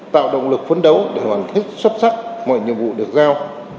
tạo động lực phấn đấu để hoàn thích xuất sắc mọi nhiệm vụ được giao